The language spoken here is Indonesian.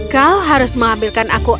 kau harus mengambilkan aku